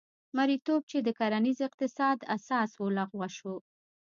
مریتوب چې د کرنیز اقتصاد اساس و لغوه شو.